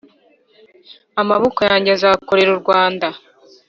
amaboko yanjye azakorera urwanda